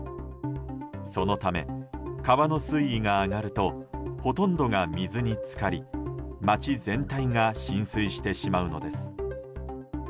そのため川の水位が上がるとほどんどが水に浸かり町全体が浸水してしまうのです。